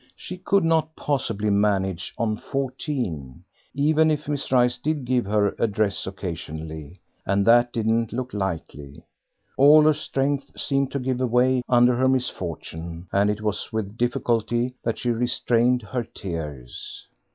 She could not possibly manage on fourteen, even if Miss Rice did give her a dress occasionally, and that didn't look likely. All her strength seemed to give way under her misfortune, and it was with difficulty that she restrained her tears.